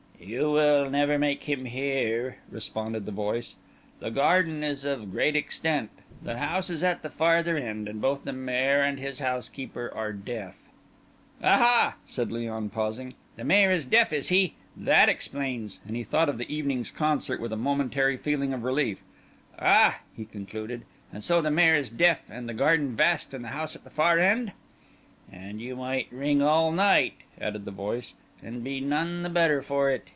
"You will never make him hear," responded the voice. "The garden is of great extent, the house is at the farther end, and both the Maire and his housekeeper are deaf." "Aha!" said Léon, pausing. "The Maire is deaf, is he? That explains." And he thought of the evening's concert with a momentary feeling of relief. "Ah!" he continued, "and so the Maire is deaf, and the garden vast, and the house at the far end?" "And you might ring all night," added the voice, "and be none the better for it.